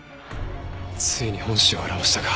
ついに本性を現したか。